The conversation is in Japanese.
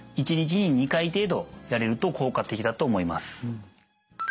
１日に２回程度やれると効果的だと思います。